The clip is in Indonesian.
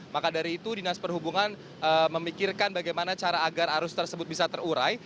maka dari itu dinas perhubungan memikirkan bagaimana cara agar arus tersebut bisa terurai